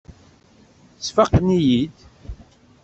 Sfaqen-iyi-id.